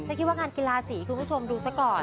คิดว่างานกีฬาสีคุณผู้ชมดูซะก่อน